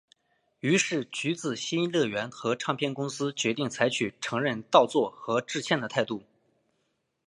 于是橘子新乐园和唱片公司决定采取承认盗作和致歉的态度。